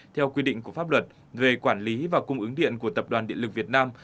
theo quy định của pháp luật về quản lý và cung ứng điện của tập đoàn điện lực việt nam